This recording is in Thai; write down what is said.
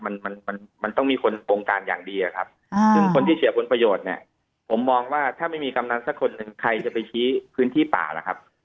มันมันมันต้องมีคนโปรงการอย่างดีครับคนที่เฉียวคุณประโยชน์เนี่ยผมมองว่าถ้าไม่มีกำลังสักคนถึงใครจะไปพี่พื้นที่ป่านะครับ